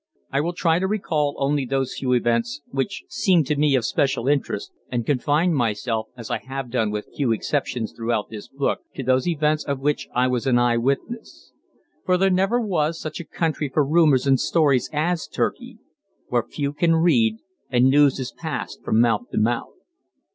I will try to recall only those few events which seem to me of special interest, and confine myself, as I have done with few exceptions throughout this book, to those events of which I was an eye witness. For there never was such a country for rumors and stories as Turkey, where few can read and news is passed from mouth to mouth.